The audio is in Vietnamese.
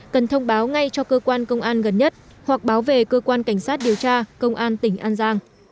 cần thông báo ngay cho cơ quan công an gần nhất hoặc báo về cơ quan cảnh sát điều tra công an tỉnh an giang